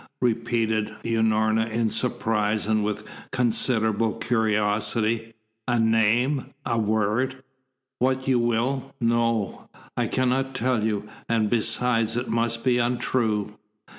repeated Unorna in surprise and with considerable curiosity. "A name a word what you will no, I cannot tell you, and besides, it must be untrue."